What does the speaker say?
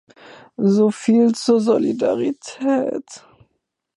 So viel zur Solidarität!